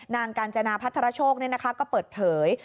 นางกาญจนาพัทรชโชกเนี่ยนะคะก็เปิดเผย